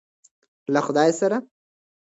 له خدای سره.